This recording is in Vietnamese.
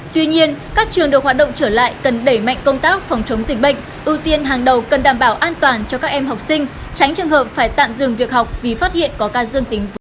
tuy nhiên các trường được hoạt động trở lại cần đẩy mạnh công tác phòng chống dịch bệnh ưu tiên hàng đầu cần đảm bảo an toàn cho các em học sinh tránh trường hợp phải tạm dừng việc học vì phát hiện có ca dương tính với